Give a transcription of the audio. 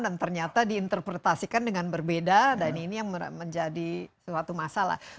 dan ternyata diinterpretasikan dengan berbeda dan ini yang menjadi suatu masalah